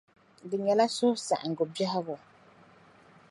Di nyɛla suhusaɣingu biɛhigu.